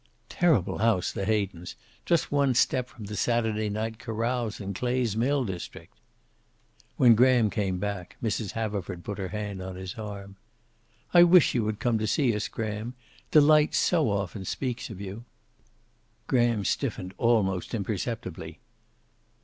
"Terrible house, the Haydens. Just one step from the Saturday night carouse in Clay's mill district." When Graham came back, Mrs. Haverford put her hand on his arm. "I wish you would come to see us, Graham. Delight so often speaks of you." Graham stiffened almost imperceptibly.